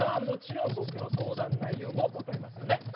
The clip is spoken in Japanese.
もちろん僕の相談内容も分かりますよね？